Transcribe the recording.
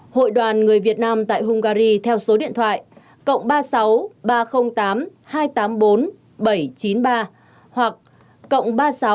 hội đoàn người việt nam tại hungary theo số điện thoại cộng ba mươi sáu ba trăm linh tám hai trăm tám mươi bốn bảy trăm chín mươi ba hoặc cộng ba mươi sáu ba trăm linh bảy hai trăm năm mươi bốn sáu trăm sáu mươi tám